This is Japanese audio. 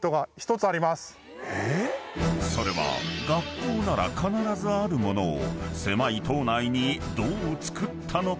［それは学校なら必ずある物を狭い島内にどう造ったのか？］